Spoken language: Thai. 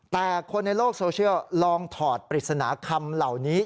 แต่คนในโลกโซเชียลลองถอดปริศนาคำเหล่านี้